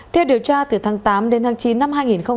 theo điều tra từ tháng tám đến tháng chín năm hai nghìn một mươi chín